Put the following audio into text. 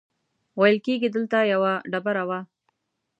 ویل کېږي دلته یوه ډبره وه.